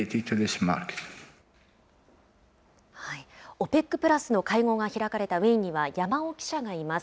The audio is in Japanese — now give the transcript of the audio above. ＯＰＥＣプラスの会合が開かれたウィーンには山尾記者がいます。